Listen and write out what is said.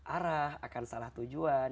arah akan salah tujuan